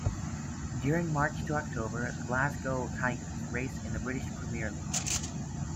During March to October the Glasgow Tigers race in the British Premier League.